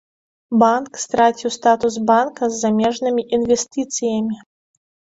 Банк страціў статус банка з замежнымі інвестыцыямі.